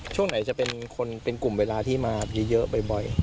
ช่วงไหนจะเป็นคนเป็นกลุ่มเวลาที่มาเยอะบ่อย